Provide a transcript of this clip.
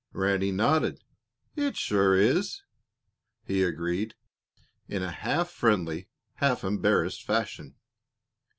Ranny nodded. "It sure is!" he agreed, in a half friendly, half embarrassed fashion.